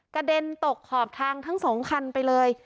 กระเด็นตกขอบทางทั้งสองคันไปเลย